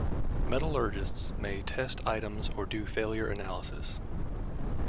Metallurgists may test items or do failure analysis.